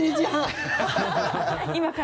今から。